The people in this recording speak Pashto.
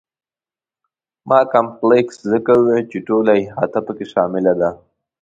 ما کمپلکس ځکه وویل چې ټوله احاطه په کې شامله ده.